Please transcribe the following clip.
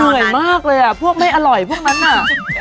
เหนื่อยมากเลยอ่ะพวกไม่อร่อยพวกนั้นน่ะ